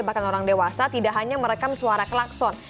bahkan orang dewasa tidak hanya merekam suara klakson